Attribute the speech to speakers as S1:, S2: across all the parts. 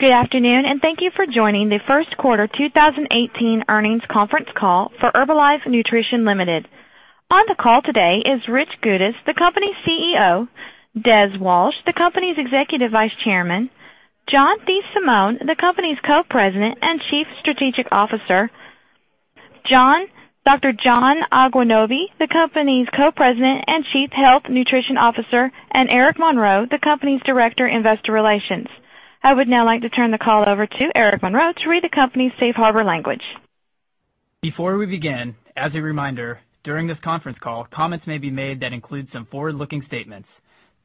S1: Good afternoon, and thank you for joining the first quarter 2018 earnings conference call for Herbalife Nutrition Ltd. On the call today is Rich Goudis, the company's CEO, Des Walsh, the company's Executive Vice Chairman, John DeSimone, the company's Co-President and Chief Strategic Officer, Dr. John Agwunobi, the company's Co-President and Chief Health Nutrition Officer, and Eric Monroe, the company's Director, Investor Relations. I would now like to turn the call over to Eric Monroe to read the company's safe harbor language.
S2: Before we begin, as a reminder, during this conference call, comments may be made that include some forward-looking statements.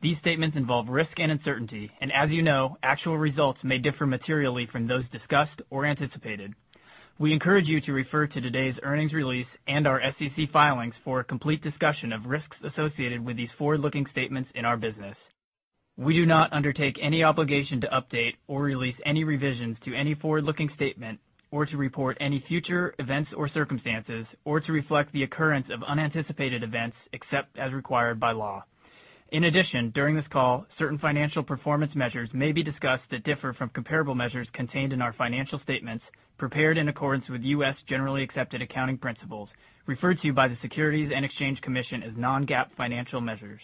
S2: These statements involve risk and uncertainty. As you know, actual results may differ materially from those discussed or anticipated. We encourage you to refer to today's earnings release and our SEC filings for a complete discussion of risks associated with these forward-looking statements in our business. We do not undertake any obligation to update or release any revisions to any forward-looking statement or to report any future events or circumstances, or to reflect the occurrence of unanticipated events except as required by law. In addition, during this call, certain financial performance measures may be discussed that differ from comparable measures contained in our financial statements prepared in accordance with U.S. generally accepted accounting principles, referred to by the Securities and Exchange Commission as non-GAAP financial measures.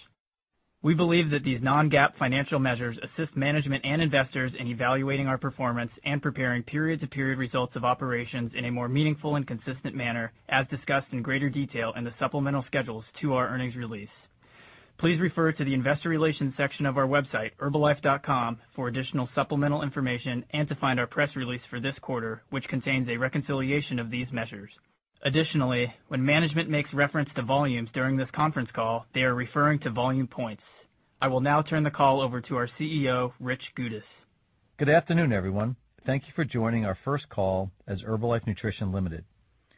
S2: We believe that these non-GAAP financial measures assist management and investors in evaluating our performance and preparing period-to-period results of operations in a more meaningful and consistent manner, as discussed in greater detail in the supplemental schedules to our earnings release. Please refer to the investor relations section of our website, herbalife.com, for additional supplemental information and to find our press release for this quarter, which contains a reconciliation of these measures. Additionally, when management makes reference to volumes during this conference call, they are referring to Volume Points. I will now turn the call over to our CEO, Rich Goudis.
S3: Good afternoon, everyone. Thank you for joining our first call as Herbalife Nutrition Ltd.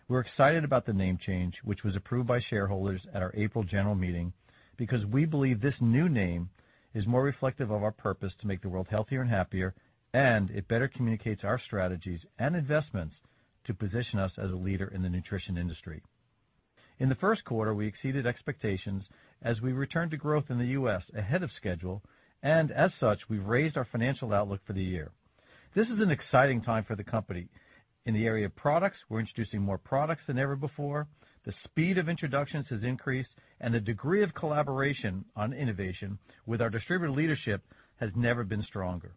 S3: We're excited about the name change, which was approved by shareholders at our April general meeting because we believe this new name is more reflective of our purpose to make the world healthier and happier. It better communicates our strategies and investments to position us as a leader in the nutrition industry. In the first quarter, we exceeded expectations as we return to growth in the U.S. ahead of schedule. As such, we've raised our financial outlook for the year. This is an exciting time for the company. In the area of products, we're introducing more products than ever before. The speed of introductions has increased, and the degree of collaboration on innovation with our distributor leadership has never been stronger.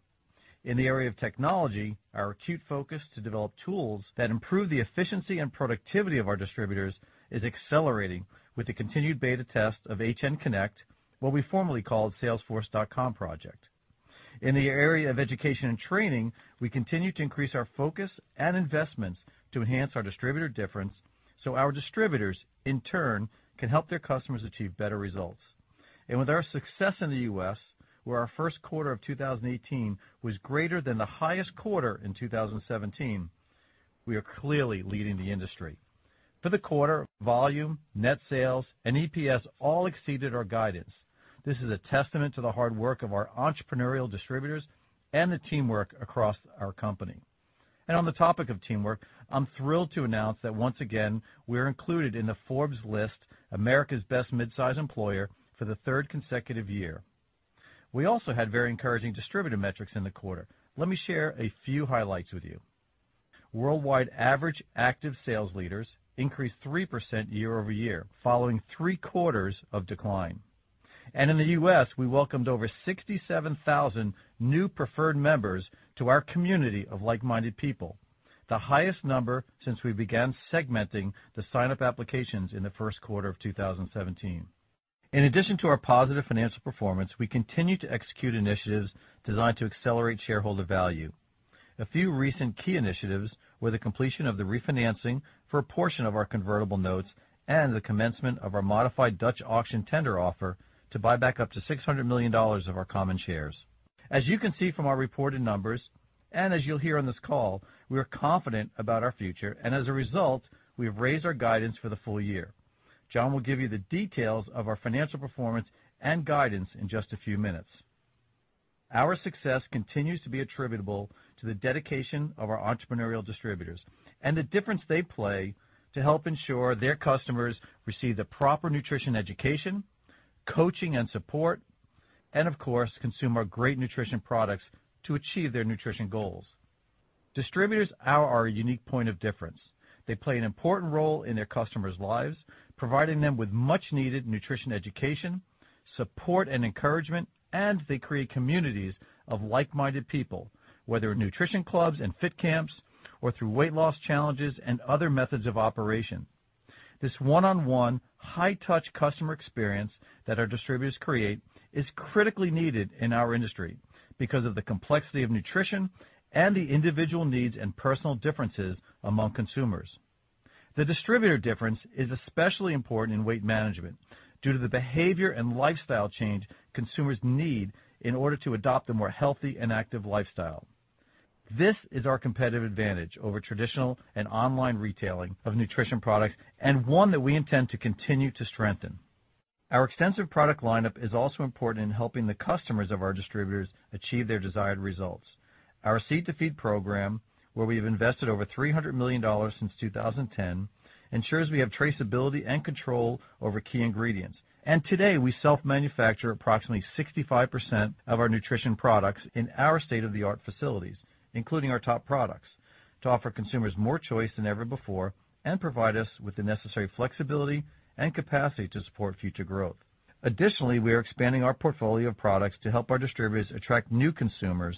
S3: In the area of technology, our acute focus to develop tools that improve the efficiency and productivity of our distributors is accelerating with the continued beta test of HNconnect, what we formerly called salesforce.com project. In the area of education and training, we continue to increase our focus and investments to enhance our distributor difference so our distributors, in turn, can help their customers achieve better results. With our success in the U.S., where our first quarter of 2018 was greater than the highest quarter in 2017, we are clearly leading the industry. For the quarter, volume, net sales, and EPS all exceeded our guidance. This is a testament to the hard work of our entrepreneurial distributors and the teamwork across our company. On the topic of teamwork, I'm thrilled to announce that once again, we're included in the Forbes list America's Best Midsize Employers for the third consecutive year. We also had very encouraging distributor metrics in the quarter. Let me share a few highlights with you. Worldwide average active sales leaders increased 3% year-over-year, following three quarters of decline. In the U.S., we welcomed over 67,000 new preferred members to our community of like-minded people, the highest number since we began segmenting the sign-up applications in the first quarter of 2017. In addition to our positive financial performance, we continue to execute initiatives designed to accelerate shareholder value. A few recent key initiatives were the completion of the refinancing for a portion of our convertible notes and the commencement of our modified Dutch auction tender offer to buy back up to $600 million of our common shares. As you can see from our reported numbers, and as you'll hear on this call, we are confident about our future, and as a result, we have raised our guidance for the full year. John will give you the details of our financial performance and guidance in just a few minutes. Our success continues to be attributable to the dedication of our entrepreneurial distributors and the difference they play to help ensure their customers receive the proper nutrition education, coaching and support, and of course, consume our great nutrition products to achieve their nutrition goals. Distributors are our unique point of difference. They play an important role in their customers' lives, providing them with much needed nutrition education, support and encouragement, and they create communities of like-minded people, whether in Nutrition Clubs and fit camps or through weight loss challenges and other methods of operation. This one-on-one high-touch customer experience that our distributors create is critically needed in our industry because of the complexity of nutrition and the individual needs and personal differences among consumers. The distributor difference is especially important in weight management due to the behavior and lifestyle change consumers need in order to adopt a more healthy and active lifestyle. This is our competitive advantage over traditional and online retailing of nutrition products and one that we intend to continue to strengthen. Our extensive product lineup is also important in helping the customers of our distributors achieve their desired results. Our Seed to Feed program, where we have invested over $300 million since 2010, ensures we have traceability and control over key ingredients. Today, we self-manufacture approximately 65% of our nutrition products in our state-of-the-art facilities, including our top products, to offer consumers more choice than ever before and provide us with the necessary flexibility and capacity to support future growth. Additionally, we are expanding our portfolio of products to help our distributors attract new consumers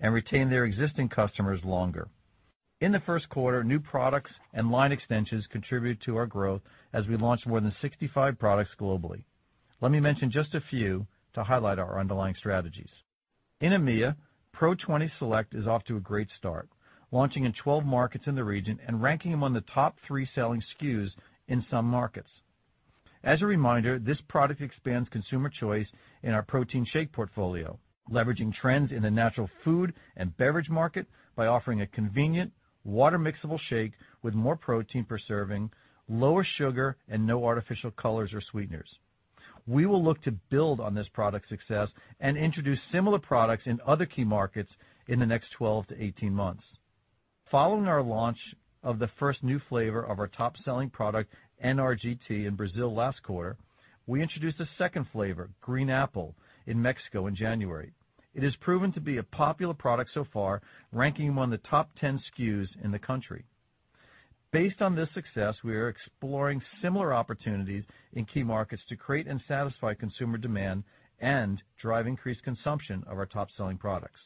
S3: and retain their existing customers longer. In the first quarter, new products and line extensions contributed to our growth as we launched more than 65 products globally. Let me mention just a few to highlight our underlying strategies. In EMEA, PRO 20 Select is off to a great start, launching in 12 markets in the region and ranking among the top three selling SKUs in some markets. As a reminder, this product expands consumer choice in our protein shake portfolio, leveraging trends in the natural food and beverage market by offering a convenient water mixable shake with more protein per serving, lower sugar, and no artificial colors or sweeteners. We will look to build on this product's success and introduce similar products in other key markets in the next 12-18 months. Following our launch of the first new flavor of our top-selling product, N-R-G Tea, in Brazil last quarter, we introduced a second flavor, green apple, in Mexico in January. It has proven to be a popular product so far, ranking among the top 10 SKUs in the country. Based on this success, we are exploring similar opportunities in key markets to create and satisfy consumer demand and drive increased consumption of our top-selling products.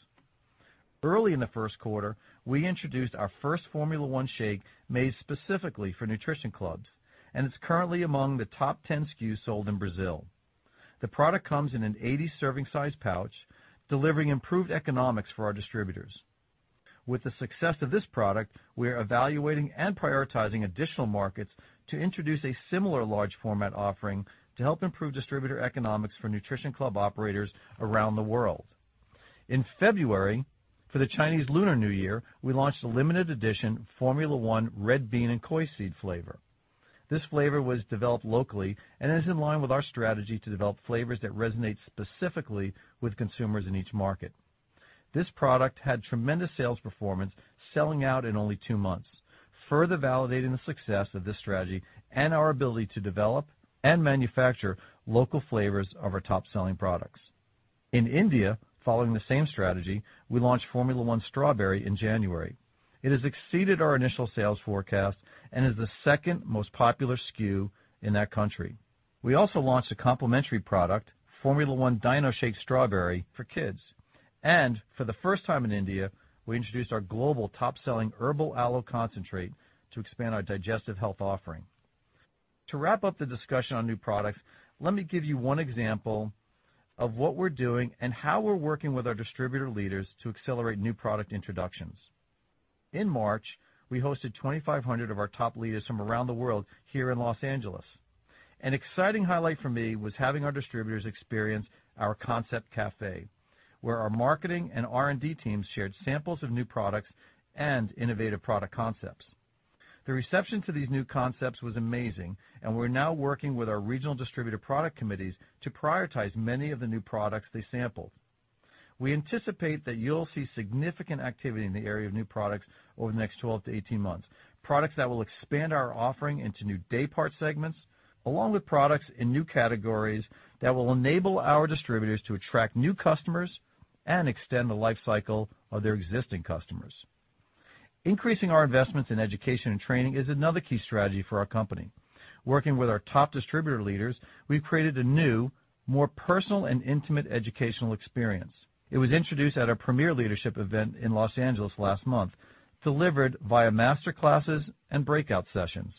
S3: Early in the first quarter, we introduced our first Formula 1 shake made specifically for Nutrition Clubs, and it's currently among the top 10 SKUs sold in Brazil. The product comes in an 80-serving size pouch, delivering improved economics for our distributors. With the success of this product, we are evaluating and prioritizing additional markets to introduce a similar large format offering to help improve distributor economics for Nutrition Club operators around the world. In February, for the Chinese Lunar New Year, we launched a limited edition Formula 1 red bean and Coix Seed flavor. This flavor was developed locally and is in line with our strategy to develop flavors that resonate specifically with consumers in each market. This product had tremendous sales performance, selling out in only two months, further validating the success of this strategy and our ability to develop and manufacture local flavors of our top-selling products. In India, following the same strategy, we launched Formula 1 Strawberry in January. It has exceeded our initial sales forecast and is the second most popular SKU in that country. We also launched a complimentary product, Formula 1 Dinoshake Strawberry for kids. For the first time in India, we introduced our global top-selling Herbal Aloe Concentrate to expand our digestive health offering. To wrap up the discussion on new products, let me give you one example of what we're doing and how we're working with our distributor leaders to accelerate new product introductions. In March, we hosted 2,500 of our top leaders from around the world here in Los Angeles. An exciting highlight for me was having our distributors experience our concept cafe, where our marketing and R&D teams shared samples of new products and innovative product concepts. The reception to these new concepts was amazing. We're now working with our regional distributor product committees to prioritize many of the new products they sampled. We anticipate that you'll see significant activity in the area of new products over the next 12-18 months, products that will expand our offering into new day-part segments, along with products in new categories that will enable our distributors to attract new customers and extend the life cycle of their existing customers. Increasing our investments in education and training is another key strategy for our company. Working with our top distributor leaders, we've created a new, more personal and intimate educational experience. It was introduced at our premier leadership event in Los Angeles last month, delivered via master classes and breakout sessions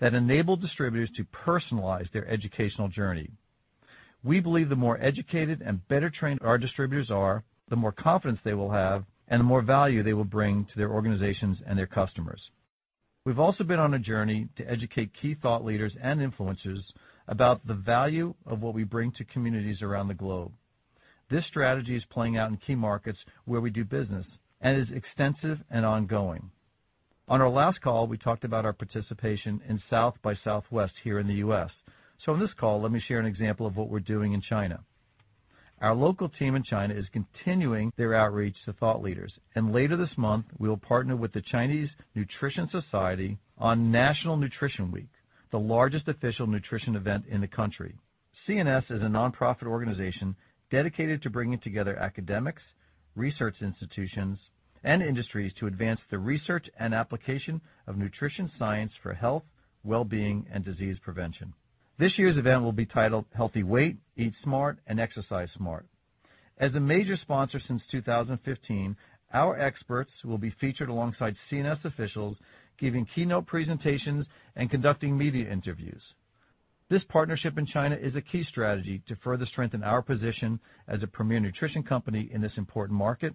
S3: that enable distributors to personalize their educational journey. We believe the more educated and better trained our distributors are, the more confidence they will have and the more value they will bring to their organizations and their customers. We've also been on a journey to educate key thought leaders and influencers about the value of what we bring to communities around the globe. This strategy is playing out in key markets where we do business and is extensive and ongoing. On our last call, we talked about our participation in South by Southwest here in the U.S. In this call, let me share an example of what we're doing in China. Our local team in China is continuing their outreach to thought leaders. Later this month, we will partner with the Chinese Nutrition Society on National Nutrition Week, the largest official nutrition event in the country. CNS is a nonprofit organization dedicated to bringing together academics, research institutions, and industries to advance the research and application of nutrition science for health, wellbeing, and disease prevention. This year's event will be titled Healthy Weight, Eat Smart, and Exercise Smart. As a major sponsor since 2015, our experts will be featured alongside CNS officials, giving keynote presentations and conducting media interviews. This partnership in China is a key strategy to further strengthen our position as a premier nutrition company in this important market.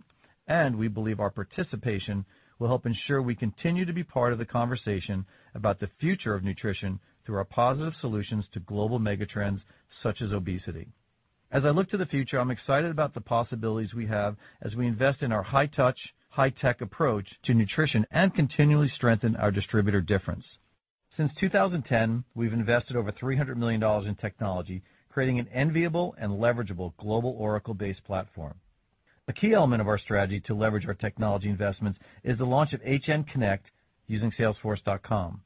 S3: We believe our participation will help ensure we continue to be part of the conversation about the future of nutrition through our positive solutions to global mega trends such as obesity. As I look to the future, I'm excited about the possibilities we have as we invest in our high-touch, high-tech approach to nutrition and continually strengthen our distributor difference. Since 2010, we've invested over $300 million in technology, creating an enviable and leverageable global Oracle-based platform. A key element of our strategy to leverage our technology investments is the launch of HNconnect using salesforce.com.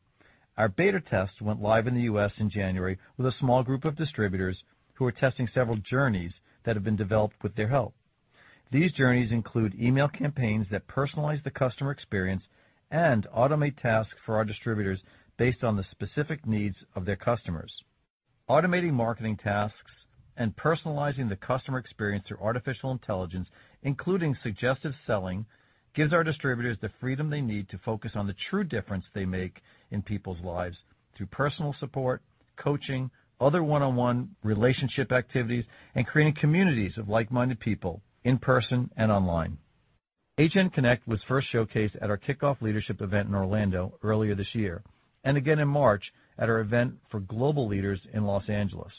S3: Our beta tests went live in the U.S. in January with a small group of distributors who are testing several journeys that have been developed with their help. These journeys include email campaigns that personalize the customer experience and automate tasks for our distributors based on the specific needs of their customers. Automating marketing tasks and personalizing the customer experience through artificial intelligence, including suggestive selling, gives our distributors the freedom they need to focus on the true difference they make in people's lives through personal support, coaching, other one-on-one relationship activities, and creating communities of like-minded people, in person and online. HNconnect was first showcased at our kickoff leadership event in Orlando earlier this year, and again in March at our event for global leaders in Los Angeles,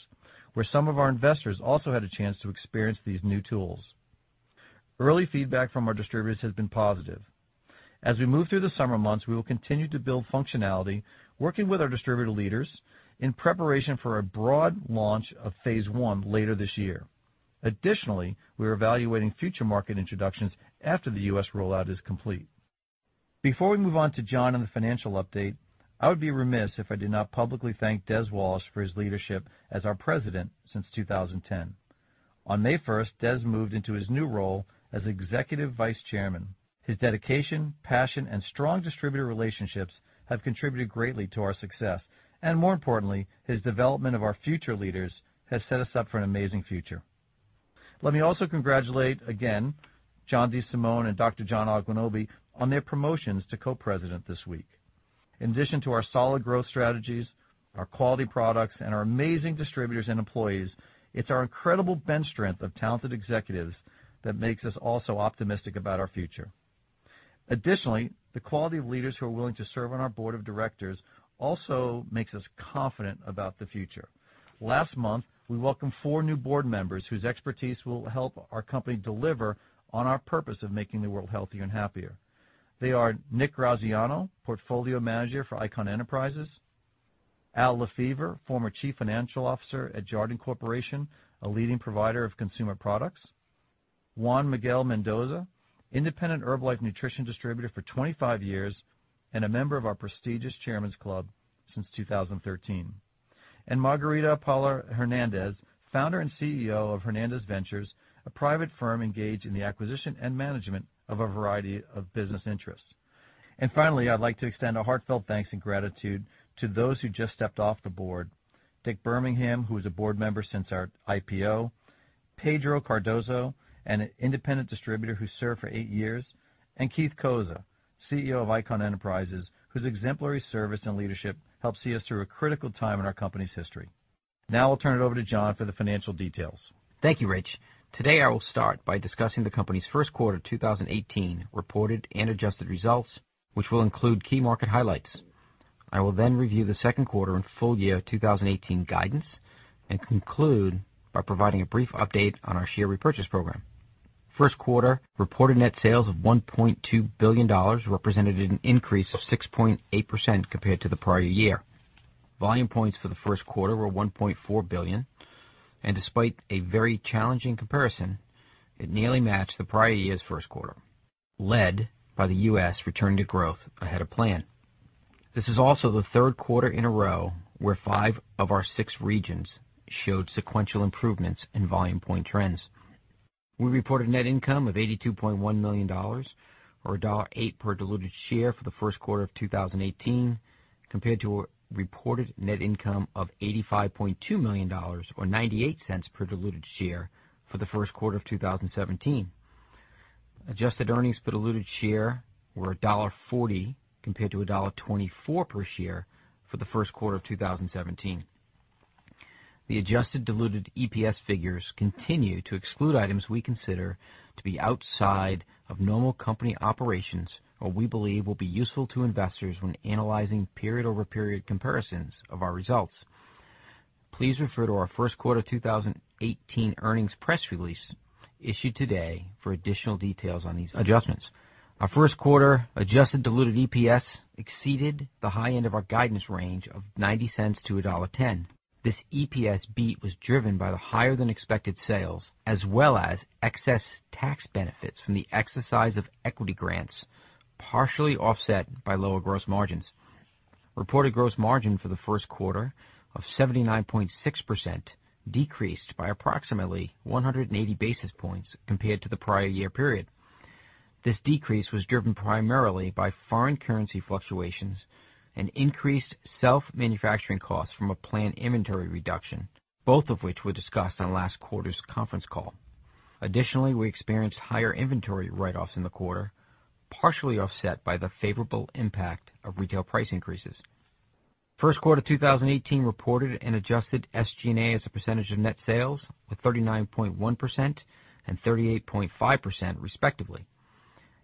S3: where some of our investors also had a chance to experience these new tools. Early feedback from our distributors has been positive. As we move through the summer months, we will continue to build functionality, working with our distributor leaders in preparation for a broad launch of phase one later this year. Additionally, we're evaluating future market introductions after the U.S. rollout is complete. Before we move on to John on the financial update, I would be remiss if I did not publicly thank Des Walsh for his leadership as our president since 2010. On May 1st, Des moved into his new role as Executive Vice Chairman. His dedication, passion, and strong distributor relationships have contributed greatly to our success. More importantly, his development of our future leaders has set us up for an amazing future. Let me also congratulate again John DeSimone and Dr. John Agwunobi on their promotions to co-president this week. In addition to our solid growth strategies, our quality products, and our amazing distributors and employees, it's our incredible bench strength of talented executives that makes us also optimistic about our future. The quality of leaders who are willing to serve on our board of directors also makes us confident about the future. Last month, we welcomed four new board members whose expertise will help our company deliver on our purpose of making the world healthier and happier. They are Nick Graziano, Portfolio Manager for Icahn Enterprises, Al LeFevre, former Chief Financial Officer at Jarden Corporation, a leading provider of consumer products, Juan Miguel Mendoza, independent Herbalife Nutrition Distributor for 25 years and a member of our prestigious Chairman's Club since 2013, and Margarita Palau-Hernandez, Founder and CEO of Hernández Ventures, a private firm engaged in the acquisition and management of a variety of business interests. Finally, I'd like to extend a heartfelt thanks and gratitude to those who just stepped off the board, Dick Bermingham, who was a board member since our IPO, Pedro Cardoso, an independent distributor who served for eight years, and Keith Cozza, CEO of Icahn Enterprises, whose exemplary service and leadership helped see us through a critical time in our company's history. I'll turn it over to John for the financial details.
S4: Thank you, Rich. Today, I will start by discussing the company's first quarter 2018 reported and adjusted results, which will include key market highlights. I will then review the second quarter and full year 2018 guidance and conclude by providing a brief update on our share repurchase program. First quarter reported net sales of $1.2 billion represented an increase of 6.8% compared to the prior year. Volume Points for the first quarter were 1.4 billion, and despite a very challenging comparison, it nearly matched the prior year's first quarter, led by the U.S. return to growth ahead of plan. This is also the third quarter in a row where five of our six regions showed sequential improvements in Volume Point trends. We reported net income of $82.1 million, or $1.08 per diluted share for the first quarter of 2018, compared to a reported net income of $85.2 million, or $0.98 per diluted share for the first quarter of 2017. Adjusted earnings per diluted share were $1.40, compared to $1.24 per share for the first quarter of 2017. The adjusted diluted EPS figures continue to exclude items we consider to be outside of normal company operations or we believe will be useful to investors when analyzing period-over-period comparisons of our results. Please refer to our first quarter 2018 earnings press release issued today for additional details on these adjustments. Our first quarter adjusted diluted EPS exceeded the high end of our guidance range of $0.90 to $1.10. This EPS beat was driven by the higher-than-expected sales, as well as excess tax benefits from the exercise of equity grants, partially offset by lower gross margins. Reported gross margin for the first quarter of 79.6% decreased by approximately 180 basis points compared to the prior year period. This decrease was driven primarily by foreign currency fluctuations and increased self-manufacturing costs from a planned inventory reduction, both of which were discussed on last quarter's conference call. Additionally, we experienced higher inventory write-offs in the quarter, partially offset by the favorable impact of retail price increases. First quarter 2018 reported and adjusted SG&A as a percentage of net sales of 39.1% and 38.5%, respectively.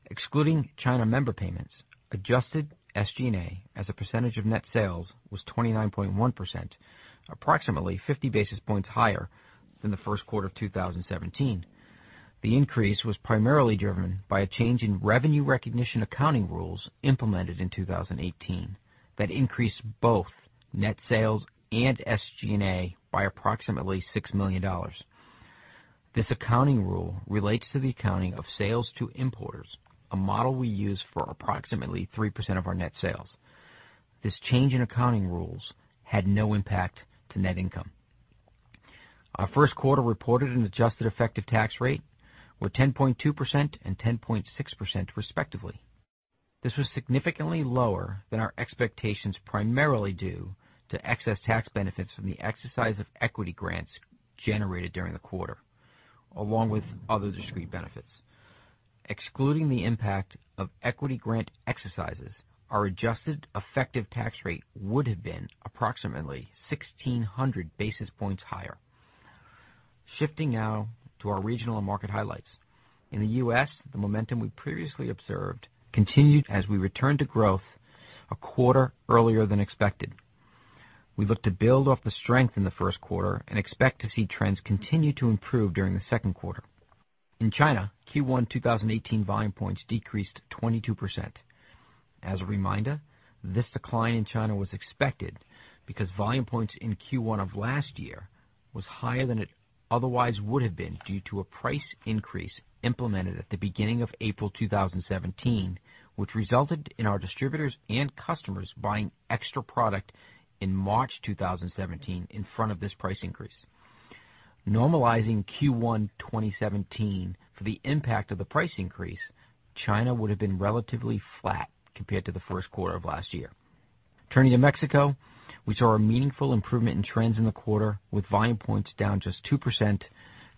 S4: Excluding China member payments, adjusted SG&A as a percentage of net sales was 29.1%, approximately 50 basis points higher than the first quarter of 2017. The increase was primarily driven by a change in revenue recognition accounting rules implemented in 2018 that increased both net sales and SG&A by approximately $6 million. This accounting rule relates to the accounting of sales to importers, a model we use for approximately 3% of our net sales. This change in accounting rules had no impact to net income. Our first quarter reported and adjusted effective tax rate were 10.2% and 10.6% respectively. This was significantly lower than our expectations, primarily due to excess tax benefits from the exercise of equity grants generated during the quarter, along with other discrete benefits. Excluding the impact of equity grant exercises, our adjusted effective tax rate would have been approximately 1,600 basis points higher. Shifting now to our regional and market highlights. In the U.S., the momentum we previously observed continued as we returned to growth a quarter earlier than expected. We look to build off the strength in the first quarter and expect to see trends continue to improve during the second quarter. In China, Q1 2018 Volume Points decreased 22%. As a reminder, this decline in China was expected because Volume Points in Q1 of last year was higher than it otherwise would have been due to a price increase implemented at the beginning of April 2017, which resulted in our distributors and customers buying extra product in March 2017 in front of this price increase. Normalizing Q1 2017 for the impact of the price increase, China would have been relatively flat compared to the first quarter of last year. Turning to Mexico, we saw a meaningful improvement in trends in the quarter, with Volume Points down just 2%,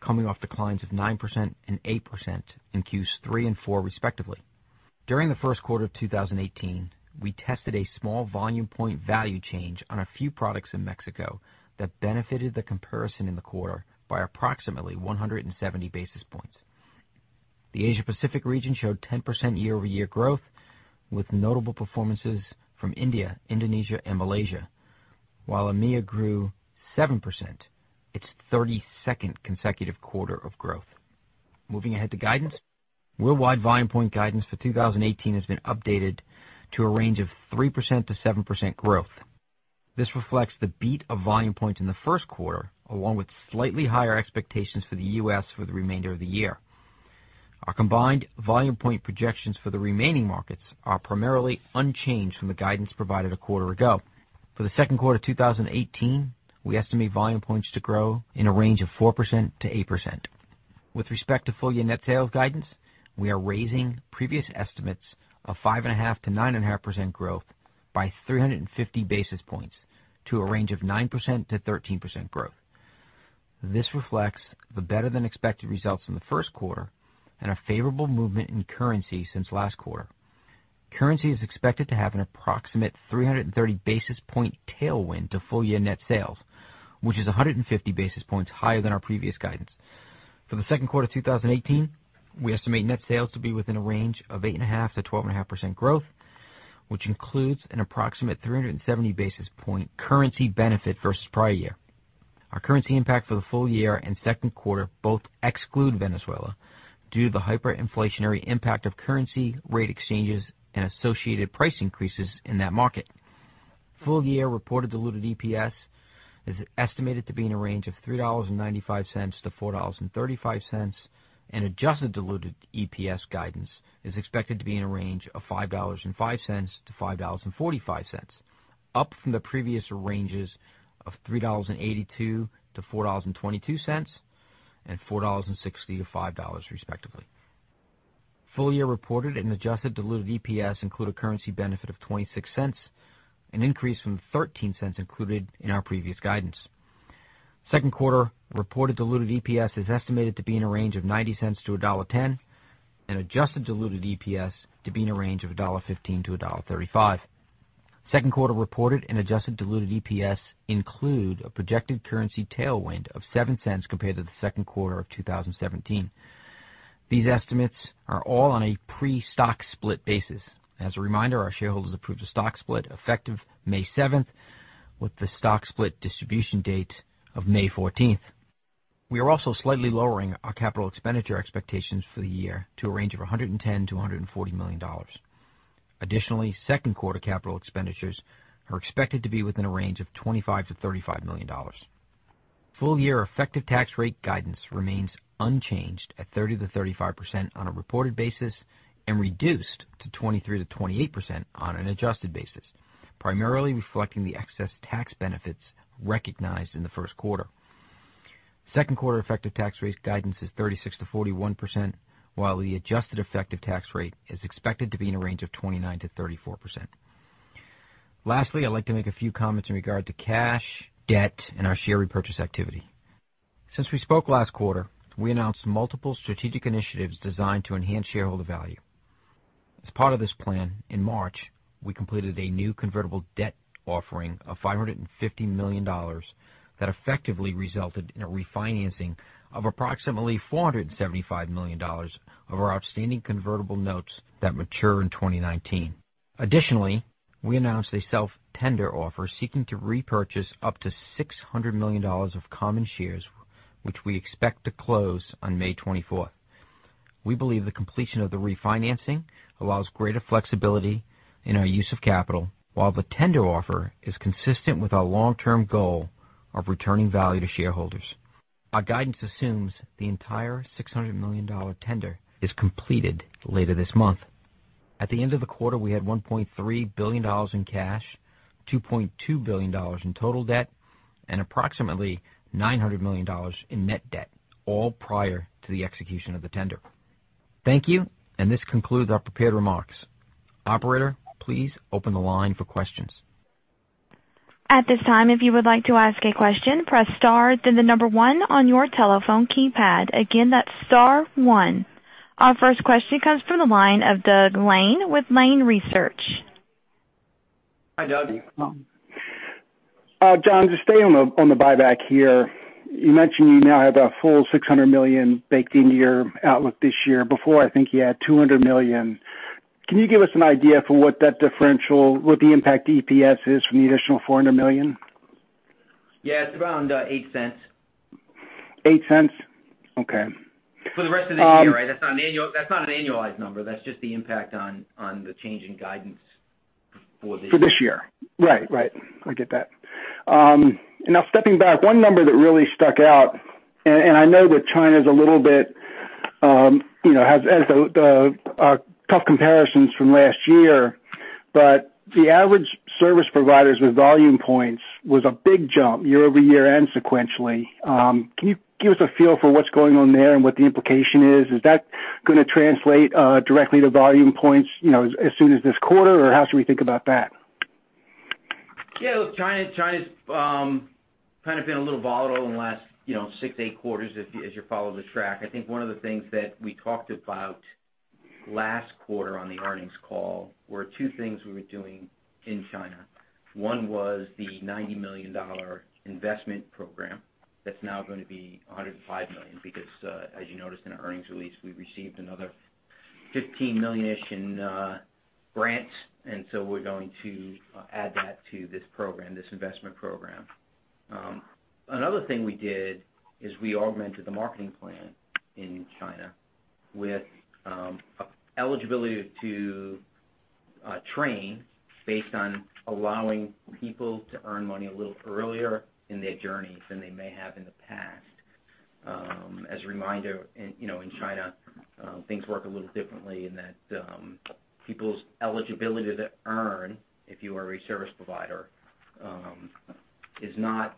S4: coming off declines of 9% and 8% in Q3 and Q4 respectively. During the first quarter of 2018, we tested a small Volume Point value change on a few products in Mexico that benefited the comparison in the quarter by approximately 170 basis points. The Asia Pacific region showed 10% year-over-year growth, with notable performances from India, Indonesia, and Malaysia. While EMEA grew 7%, its 32nd consecutive quarter of growth. Moving ahead to guidance. Worldwide Volume Point guidance for 2018 has been updated to a range of 3%-7% growth. This reflects the beat of Volume Points in the first quarter, along with slightly higher expectations for the U.S. for the remainder of the year. Our combined Volume Point projections for the remaining markets are primarily unchanged from the guidance provided a quarter ago. For the second quarter 2018, we estimate Volume Points to grow in a range of 4%-8%. With respect to full-year net sales guidance, we are raising previous estimates of 5.5%-9.5% growth by 350 basis points to a range of 9%-13% growth. This reflects the better-than-expected results in the first quarter and a favorable movement in currency since last quarter. Currency is expected to have an approximate 330 basis point tailwind to full-year net sales, which is 150 basis points higher than our previous guidance. For the second quarter 2018, we estimate net sales to be within a range of 8.5%-12.5% growth, which includes an approximate 370 basis point currency benefit versus prior year. Our currency impact for the full year and second quarter both exclude Venezuela due to the hyperinflationary impact of currency rate exchanges and associated price increases in that market. Full-year reported diluted EPS is estimated to be in a range of $3.95-$4.35, and adjusted diluted EPS guidance is expected to be in a range of $5.05-$5.45, up from the previous ranges of $3.82-$4.22 and $4.60-$5.00 respectively. Full-year reported and adjusted diluted EPS include a currency benefit of $0.26, an increase from $0.13 included in our previous guidance. Second quarter reported diluted EPS is estimated to be in a range of $0.90-$1.10, and adjusted diluted EPS to be in a range of $1.15-$1.35. Second quarter reported and adjusted diluted EPS include a projected currency tailwind of $0.07 compared to the second quarter of 2017. These estimates are all on a pre-stock split basis. As a reminder, our shareholders approved a stock split effective May 7th, with the stock split distribution date of May 14th. We are also slightly lowering our capital expenditure expectations for the year to a range of $110 million-$140 million. Additionally, second quarter capital expenditures are expected to be within a range of $25 million-$35 million. Full-year effective tax rate guidance remains unchanged at 30%-35% on a reported basis and reduced to 23%-28% on an adjusted basis, primarily reflecting the excess tax benefits recognized in the first quarter. Second quarter effective tax rate guidance is 36%-41%, while the adjusted effective tax rate is expected to be in a range of 29%-34%. Lastly, I'd like to make a few comments in regard to cash, debt, and our share repurchase activity. Since we spoke last quarter, we announced multiple strategic initiatives designed to enhance shareholder value. As part of this plan, in March, we completed a new convertible debt offering of $550 million that effectively resulted in a refinancing of approximately $475 million of our outstanding convertible notes that mature in 2019. Additionally, we announced a self-tender offer seeking to repurchase up to $600 million of common shares, which we expect to close on May 24th. We believe the completion of the refinancing allows greater flexibility in our use of capital, while the tender offer is consistent with our long-term goal of returning value to shareholders. Our guidance assumes the entire $600 million tender is completed later this month. At the end of the quarter, we had $1.3 billion in cash, $2.2 billion in total debt, and approximately $900 million in net debt, all prior to the execution of the tender. Thank you, and this concludes our prepared remarks. Operator, please open the line for questions.
S1: At this time, if you would like to ask a question, press star, then the number 1 on your telephone keypad. Again, that's star 1. Our first question comes from the line of Doug Lane with Lane Research.
S4: Hi, Doug.
S5: John, just staying on the buyback here. You mentioned you now have a full $600 million baked into your outlook this year. Before, I think you had $200 million. Can you give us an idea for what that differential, what the impact to EPS is from the additional $400 million?
S4: Yeah. It's around $0.08.
S5: $0.08? Okay.
S4: For the rest of the year, right? That's not an annualized number. That's just the impact on the change in guidance for this year.
S5: For this year. Right. I get that. Stepping back, one number that really stuck out, and I know that China's a little bit has the tough comparisons from last year, but the average service providers with Volume Points was a big jump year-over-year and sequentially. Can you give us a feel for what's going on there and what the implication is? Is that going to translate directly to Volume Points as soon as this quarter, or how should we think about that?
S4: Yeah. Look, China's kind of been a little volatile in the last six to eight quarters as you follow the track. I think one of the things that we talked about last quarter on the earnings call were two things we were doing in China. One was the $90 million investment program that's now going to be $105 million because, as you noticed in our earnings release, we received another $15 million-ish in grants. We're going to add that to this investment program. Another thing we did is we augmented the marketing plan in China with eligibility to train based on allowing people to earn money a little earlier in their journey than they may have in the past. As a reminder, in China, things work a little differently in that people's eligibility to earn, if you are a service provider, is not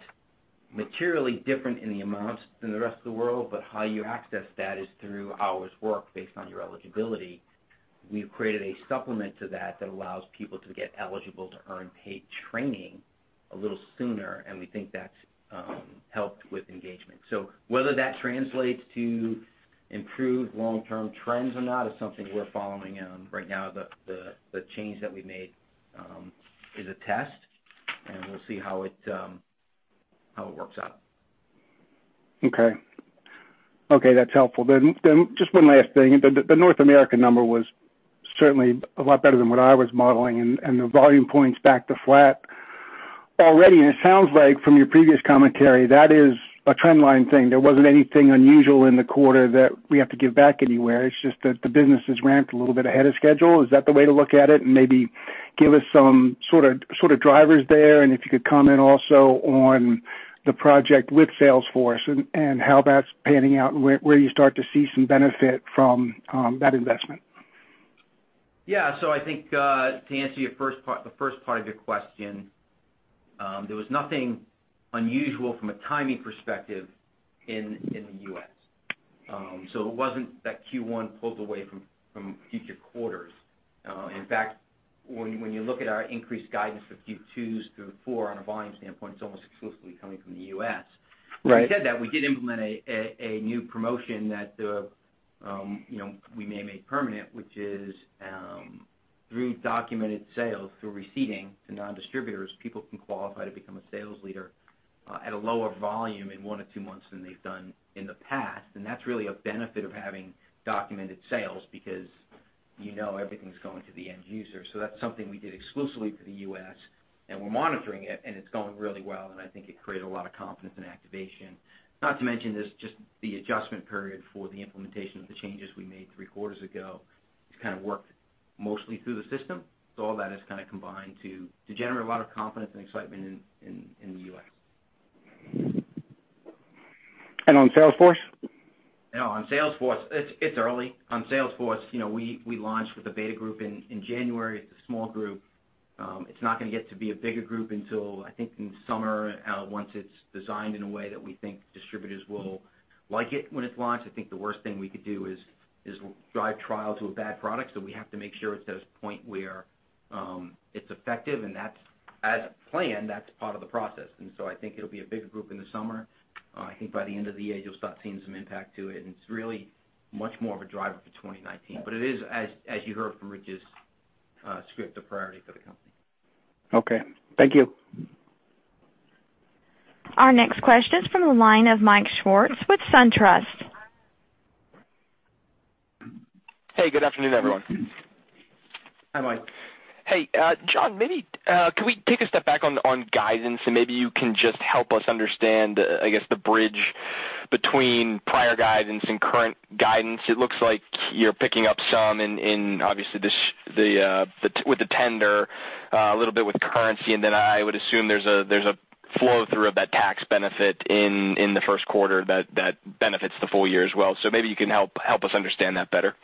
S4: materially different in the amounts than the rest of the world, how you access that is through hours worked based on your eligibility. We've created a supplement to that which allows people to get eligible to earn paid training a little sooner. We think that's helped with engagement. Whether that translates to improved long-term trends or not is something we're following. Right now, the change that we made is a test. We'll see how it works out.
S5: Okay. That's helpful. Just one last thing. The North America number was certainly a lot better than what I was modeling, the Volume Points back to flat already. It sounds like from your previous commentary, that is a trend line thing. There wasn't anything unusual in the quarter that we have to give back anywhere. It's just that the business has ramped a little bit ahead of schedule. Is that the way to look at it? Maybe give us some sort of drivers there, if you could comment also on the project with Salesforce and how that's panning out and where you start to see some benefit from that investment.
S4: Yeah. I think to answer the first part of your question, there was nothing unusual from a timing perspective in the U.S. It wasn't that Q1 pulled away from future quarters. In fact, when you look at our increased guidance for Q2s through four on a volume standpoint, it's almost exclusively coming from the U.S.
S5: Right.
S4: Having said that, we did implement a new promotion that we may make permanent, which is through documented sales, through receipting to non-distributors, people can qualify to become a sales leader at a lower volume in one to two months than they've done in the past. That's really a benefit of having documented sales because you know everything's going to the end user. That's something we did exclusively for the U.S., and we're monitoring it, and it's going really well, and I think it created a lot of confidence and activation. Not to mention, just the adjustment period for the implementation of the changes we made three quarters ago has kind of worked mostly through the system. All that has kind of combined to generate a lot of confidence and excitement in the U.S.
S5: On Salesforce?
S4: On Salesforce, it's early. On Salesforce, we launched with a beta group in January. It's a small group. It's not going to get to be a bigger group until, I think, in summer, once it's designed in a way that we think distributors will like it when it's launched. I think the worst thing we could do is drive trial to a bad product. We have to make sure it's at a point where it's effective, and as planned, that's part of the process. I think it'll be a bigger group in the summer. I think by the end of the year, you'll start seeing some impact to it, and it's really much more of a driver for 2019. It is, as you heard from Rich's script, a priority for the company.
S5: Okay. Thank you.
S1: Our next question is from the line of Michael Swartz with SunTrust.
S6: Hey, good afternoon, everyone.
S4: Hi, Mike.
S6: Hey, John, maybe could we take a step back on guidance, and maybe you can just help us understand, I guess, the bridge between prior guidance and current guidance. It looks like you're picking up some in, obviously, with the tender, a little bit with currency, and then I would assume there's a flow-through of that tax benefit in the first quarter that benefits the full year as well. Maybe you can help us understand that better.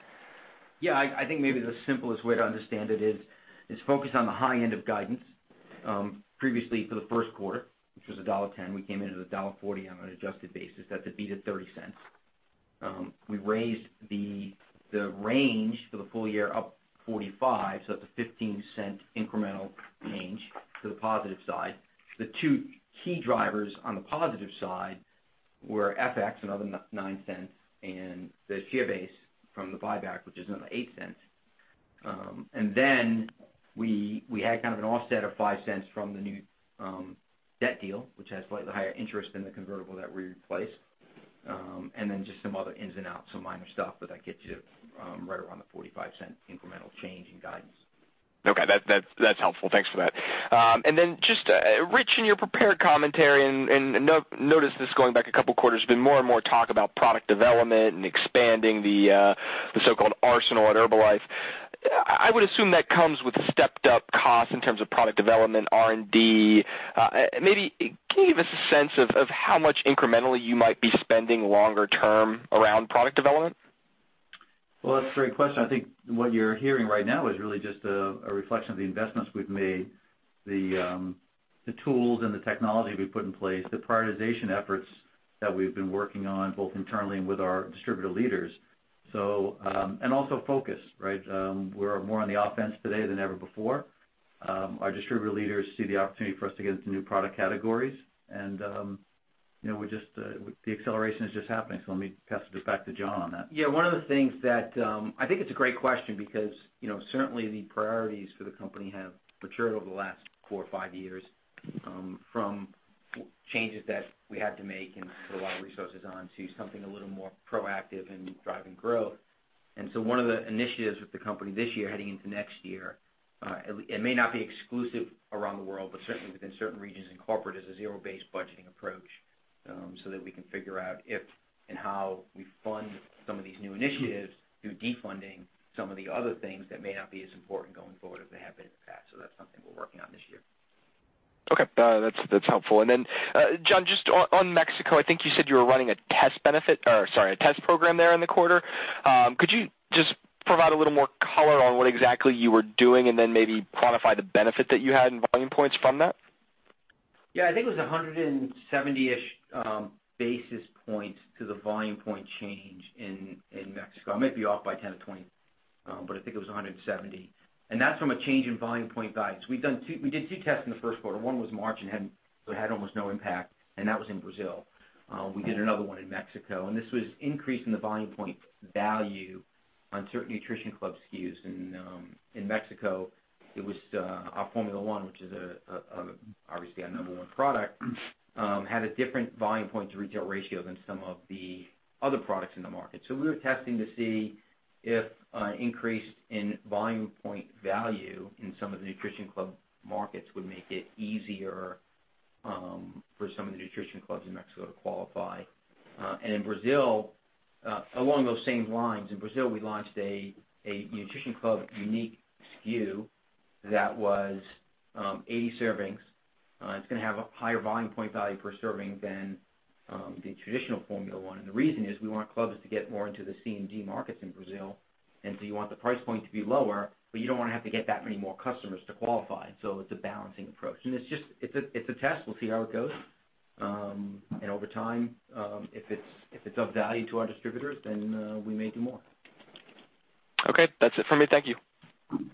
S4: I think maybe the simplest way to understand it is focus on the high end of guidance. Previously, for the first quarter, which was $1.10, we came in at $1.40 on an adjusted basis. That's a beat of $0.30. We raised the range for the full year up $0.45, so that's a $0.15 incremental change to the positive side. The two key drivers on the positive side were FX, another $0.09, and the share base from the buyback, which is another $0.08. We had kind of an offset of $0.05 from the new debt deal, which has slightly higher interest than the convertible that we replaced. Just some other ins and outs, some minor stuff, but that gets you right around the $0.45 incremental change in guidance.
S6: Okay. That's helpful. Thanks for that. Just, Rich, in your prepared commentary, and notice this going back a couple of quarters, there's been more and more talk about product development and expanding the so-called arsenal at Herbalife. I would assume that comes with stepped-up costs in terms of product development, R&D. Maybe can you give us a sense of how much incrementally you might be spending longer term around product development?
S3: Well, that's a great question. I think what you're hearing right now is really just a reflection of the investments we've made, the tools and the technology we've put in place, the prioritization efforts that we've been working on, both internally and with our distributor leaders. Also focus, right? We're more on the offense today than ever before. Our distributor leaders see the opportunity for us to get into new product categories. The acceleration is just happening. Let me pass it back to John on that.
S4: Yeah, one of the things that I think it's a great question because certainly the priorities for the company have matured over the last four or five years from changes that we had to make and put a lot of resources on to something a little more proactive and driving growth. One of the initiatives with the company this year, heading into next year, it may not be exclusive around the world, but certainly within certain regions and corporate, is a zero-based budgeting approach, so that we can figure out if and how we fund some of these new initiatives through defunding some of the other things that may not be as important going forward as they have been in the past. That's something we're working on this year.
S6: Then, John, just on Mexico, I think you said you were running a test program there in the quarter. Could you just provide a little more color on what exactly you were doing, and then maybe quantify the benefit that you had in Volume Points from that?
S4: I think it was 170 basis points to the Volume Point change in Mexico. I might be off by 10 or 20, but I think it was 170. That's from a change in Volume Point guidance. We did two tests in the first quarter. One was March, and it had almost no impact, and that was in Brazil. We did another one in Mexico, and this was increasing the Volume Point value on certain Nutrition Club SKUs. In Mexico, it was our Formula 1, which is obviously our number 1 product, had a different volume point to retail ratio than some of the other products in the market. We were testing to see if an increase in Volume Point value in some of the Nutrition Club markets would make it easier for some of the Nutrition Clubs in Mexico to qualify. In Brazil, along those same lines, in Brazil, we launched a Nutrition Club unique SKU that was 80 servings. It's going to have a higher volume point value per serving than the traditional Formula 1. The reason is we want clubs to get more into the C and D markets in Brazil. You want the price point to be lower, but you don't want to have to get that many more customers to qualify. It's a balancing approach. It's a test. We'll see how it goes. Over time, if it's of value to our distributors, then we may do more.
S6: Okay, that's it for me. Thank you.
S4: Thanks,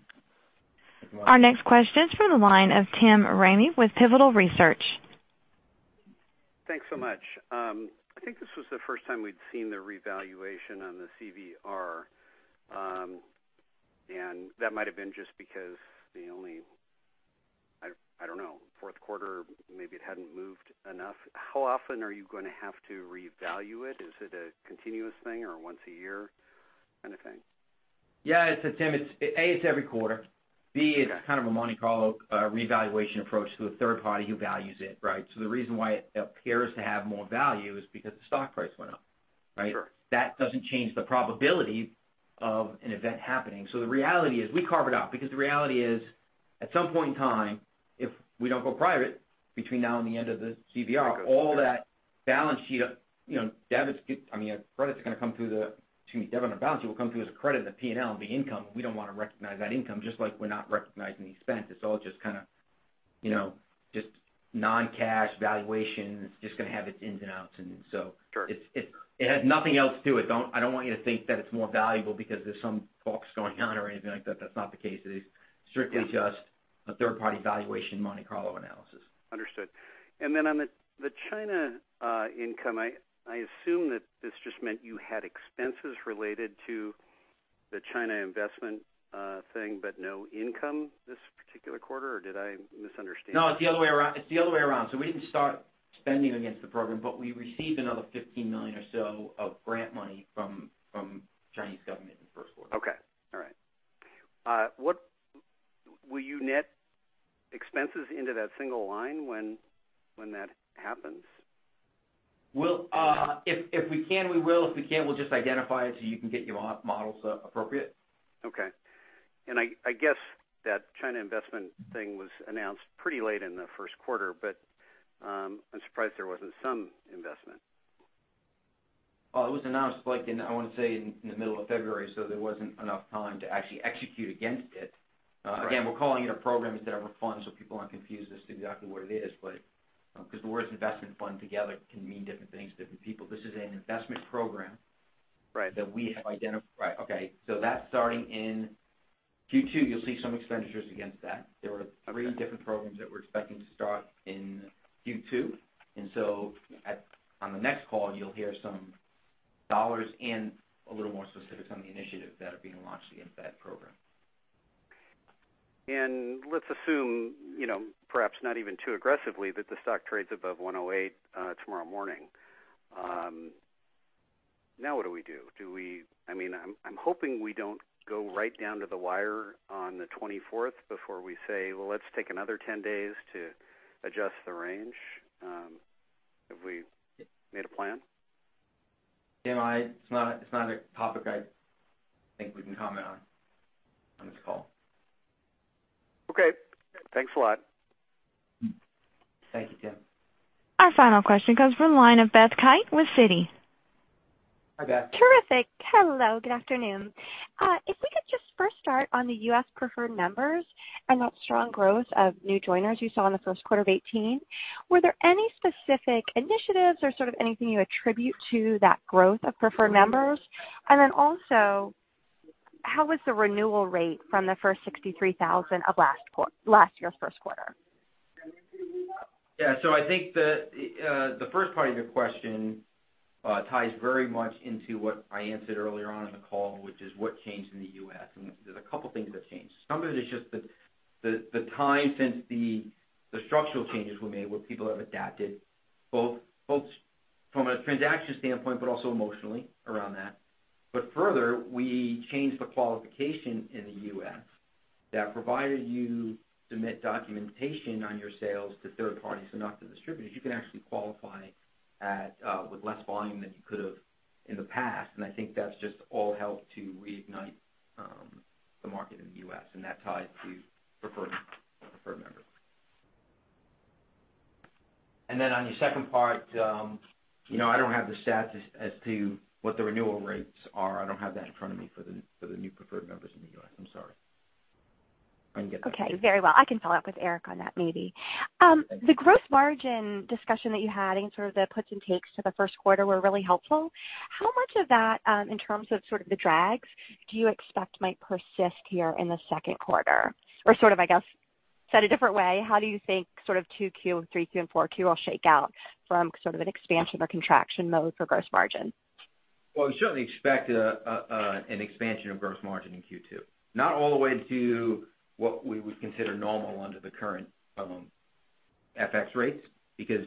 S4: Mike.
S1: Our next question is from the line of Tim Ramey with Pivotal Research.
S7: Thanks so much. I think this was the first time we'd seen the revaluation on the CVR. That might have been just because the only, I don't know, fourth quarter, maybe it hadn't moved enough. How often are you going to have to revalue it? Is it a continuous thing or once a year kind of thing?
S4: Yeah, Tim, A, it's every quarter. B, it's kind of a Monte Carlo revaluation approach to a third party who values it, right? The reason why it appears to have more value is because the stock price went up, right?
S7: Sure.
S4: That doesn't change the probability of an event happening. The reality is we carve it out because the reality is, at some point in time, if we don't go private between now and the end of the CVR, all that balance sheet, debit on the balance sheet will come through as a credit in the P&L, and be income. We don't want to recognize that income, just like we're not recognizing the expense. It's all just kind of non-cash valuation. It's just going to have its ins and outs.
S7: Sure
S4: It has nothing else to it. I don't want you to think that it's more valuable because there's some FX going on or anything like that. That's not the case. It is strictly just a third-party valuation Monte Carlo analysis.
S7: Understood. Then on the China income, I assume that this just meant you had expenses related to the China investment thing, but no income this particular quarter, or did I misunderstand?
S4: No, it's the other way around. We didn't start spending against the program, but we received another $15 million or so of grant money from Chinese government in the first quarter.
S7: Okay. All right. Will you net expenses into that single line when that happens?
S4: If we can, we will. If we can't, we'll just identify it so you can get your models appropriate.
S7: Okay. I guess that China investment thing was announced pretty late in the first quarter, but I'm surprised there wasn't some investment.
S4: Well, it was announced in, I want to say, in the middle of February, there wasn't enough time to actually execute against it.
S7: Right.
S4: Again, we're calling it a program instead of a fund, so people aren't confused as to exactly what it is because the words investment fund together can mean different things to different people. This is an investment program-
S7: Right
S4: That we have identified. Right. Okay. That's starting in Q2, you'll see some expenditures against that. There were three different programs that we're expecting to start in Q2. On the next call, you'll hear some dollars and a little more specifics on the initiatives that are being launched against that program.
S7: Let's assume, perhaps not even too aggressively, that the stock trades above 108 tomorrow morning. Now what do we do? I'm hoping we don't go right down to the wire on the 24th before we say, "Well, let's take another 10 days to adjust the range." Have we made a plan?
S4: Tim, it's not a topic I think we can comment on this call.
S7: Okay. Thanks a lot.
S4: Thank you, Tim.
S1: Our final question comes from the line of Beth Kite with Citi.
S4: Hi, Beth.
S8: Terrific. Hello, good afternoon. If we could just first start on the U.S. preferred numbers and that strong growth of new joiners you saw in the first quarter of 2018, were there any specific initiatives or sort of anything you attribute to that growth of preferred members? How was the renewal rate from the first 63,000 of last year's first quarter?
S4: Yeah. I think the first part of your question ties very much into what I answered earlier on in the call, which is what changed in the U.S., and there's a couple things that changed. Some of it is just the time since the structural changes were made, where people have adapted, both from a transaction standpoint, but also emotionally around that. Further, we changed the qualification in the U.S. that provided you submit documentation on your sales to third parties and not to distributors, you can actually qualify with less volume than you could have in the past. I think that's just all helped to reignite the market in the U.S., and that ties to preferred members. On your second part, I don't have the stats as to what the renewal rates are. I don't have that in front of me for the new preferred members in the U.S. I'm sorry. I can get that to you.
S8: Okay, very well. I can follow up with Eric on that, maybe.
S4: Thank you.
S8: The gross margin discussion that you had and sort of the puts and takes to the first quarter were really helpful. How much of that, in terms of sort of the drags, do you expect might persist here in the second quarter? Or sort of, I guess, said a different way, how do you think sort of 2Q, 3Q, and 4Q will shake out from sort of an expansion or contraction mode for gross margin?
S4: Well, we certainly expect an expansion of gross margin in Q2, not all the way to what we would consider normal under the current FX rates. Because,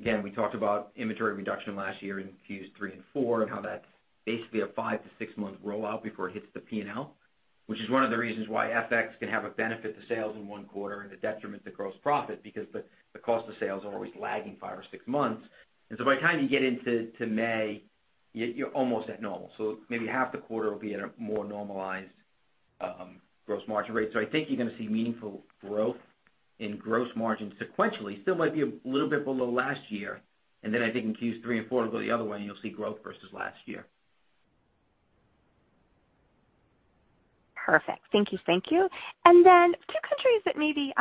S4: again, we talked about inventory reduction last year in Q3 and 4 and how that's basically a five- to six-month rollout before it hits the P&L, which is one of the reasons why FX can have a benefit to sales in one quarter and a detriment to gross profit because the cost of sales are always lagging five or six months. By the time you get into May, you're almost at normal. Maybe half the quarter will be at a more normalized gross margin rate. I think you're going to see meaningful growth in gross margin sequentially. Still might be a little bit below last year, and then I think in Q3 and 4, it'll go the other way, and you'll see growth versus last year.
S8: Perfect. Thank you. Two countries that maybe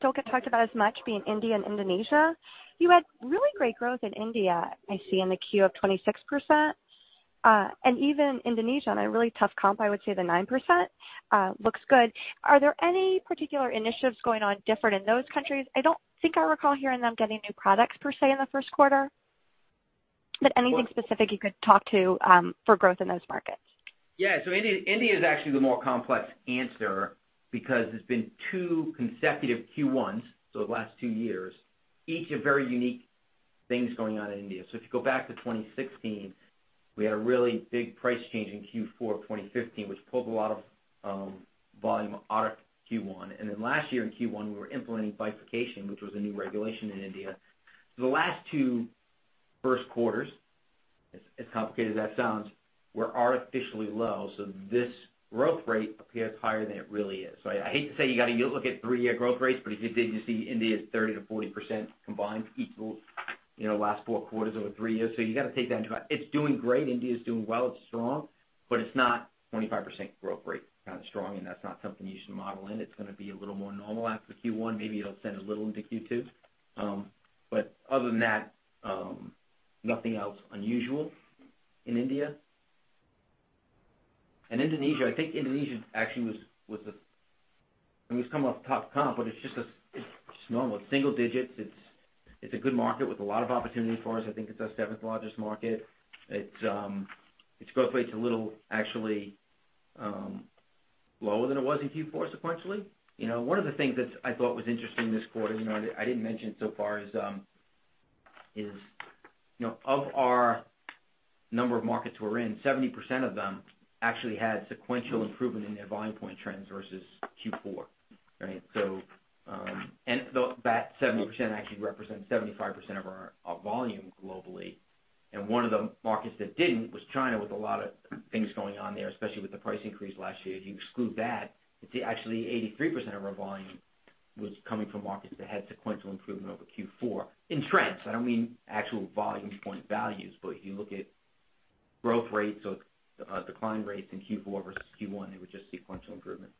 S8: don't get talked about as much being India and Indonesia. You had really great growth in India, I see in the Q1 of 26%, even Indonesia on a really tough comp, I would say the 9% looks good. Are there any particular initiatives going on different in those countries? I don't think I recall hearing them getting new products per se in the first quarter, anything specific you could talk to for growth in those markets?
S4: India is actually the more complex answer because it's been 2 consecutive Q1s, the last 2 years, each have very unique things going on in India. If you go back to 2016, we had a really big price change in Q4 of 2015, which pulled a lot of volume out of Q1. Last year in Q1, we were implementing bifurcation, which was a new regulation in India. The last 2 first quarters, as complicated as that sounds, were artificially low. This growth rate appears higher than it really is. I hate to say you got to look at 3-year growth rates, if you did, you'd see India is 30%-40% combined equal last 4 quarters over 3 years. You got to take that into account. It's doing great. India is doing well. It's strong, but it's not 25% growth rate kind of strong, and that's not something you should model in. It's going to be a little more normal after Q1. Maybe it'll send a little into Q2. Other than that, nothing else unusual in India. Indonesia, I think Indonesia actually was. We've come off tough comp, it's just normal. It's single digits. It's a good market with a lot of opportunity for us. I think it's our seventh largest market. Its growth rate's a little, actually, lower than it was in Q4 sequentially. One of the things that I thought was interesting this quarter, I didn't mention so far, is of our number of markets we're in, 70% of them actually had sequential improvement in their Volume Point trends versus Q4. Right? That 70% actually represents 75% of our volume globally. One of the markets that didn't was China, with a lot of things going on there, especially with the price increase last year. If you exclude that, you'd see actually 83% of our volume was coming from markets that had sequential improvement over Q4. In trends, I don't mean actual Volume Point values, you look at growth rates or decline rates in Q4 versus Q1, it was just sequential improvement.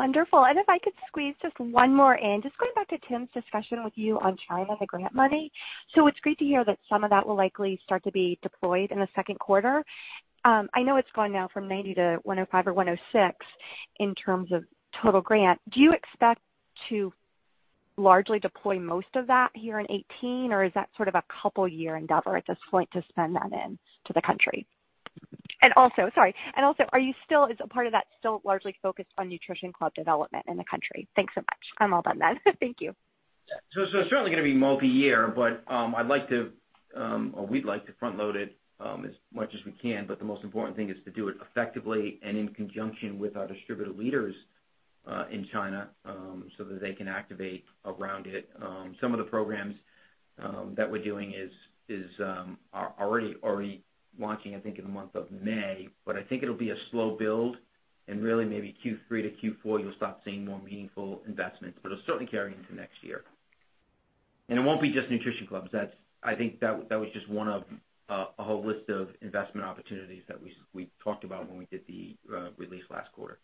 S8: If I could squeeze just one more in. Just going back to Tim Ramey's discussion with you on China, the grant money. It's great to hear that some of that will likely start to be deployed in the second quarter. I know it's gone now from 90 to 105 or 106 in terms of total grant. Do you expect to largely deploy most of that here in 2018, or is that sort of a couple-year endeavor at this point to spend that into the country? Is a part of that still largely focused on Nutrition Club development in the country? Thanks so much. I'm all done then. Thank you.
S4: It's certainly going to be multi-year, but I'd like to, or we'd like to front-load it as much as we can. The most important thing is to do it effectively and in conjunction with our distributor leaders in China, so that they can activate around it. Some of the programs that we're doing are already launching, I think, in the month of May. I think it'll be a slow build and really maybe Q3 to Q4, you'll start seeing more meaningful investments. It'll certainly carry into next year. It won't be just Nutrition Clubs. I think that was just one of a whole list of investment opportunities that we talked about when we did the release last quarter.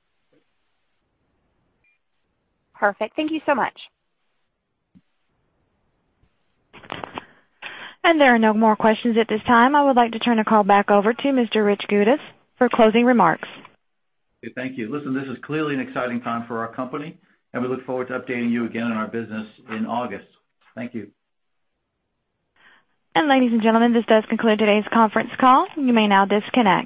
S8: Perfect. Thank you so much.
S1: There are no more questions at this time. I would like to turn the call back over to Mr. Rich Goudis for closing remarks.
S3: Okay. Thank you. Listen, this is clearly an exciting time for our company. We look forward to updating you again on our business in August. Thank you.
S1: Ladies and gentlemen, this does conclude today's conference call. You may now disconnect.